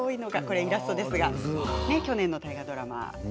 イラストですが去年の大河ドラマですね。